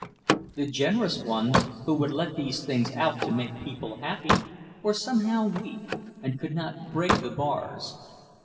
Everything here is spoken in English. The generous ones, who would let these things out to make people happy, were somehow weak, and could not break the bars.